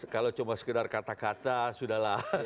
kalau cuma sekedar kata kata sudah lah